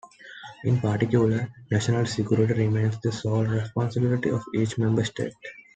In particular, national security remains the sole responsibility of each Member State.